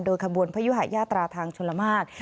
ขบวนพยุหายาตราทางชลมาก